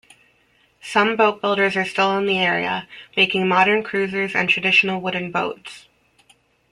Some boatbuilders are still in the area, making modern cruisers and traditional wooden boats.